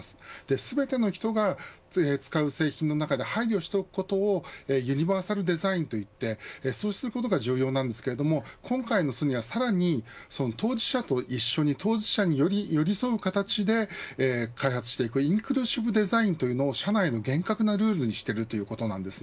全ての人が使う製品の中で配慮をしておくことをユニバーサルデザインといってそうすることが重要なんですけれども、今回のソニーは、さらに、当事者に寄り添う形でインクルーシブデザインというのを社内の厳格なルールとしているんです。